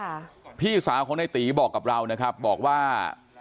ค่ะพี่สาวของในตีบอกกับเรานะครับบอกว่า